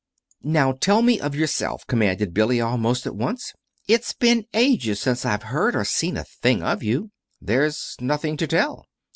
"Now tell me of yourself," commanded Billy, almost at once. "It's been ages since I've heard or seen a thing of you." "There's nothing to tell."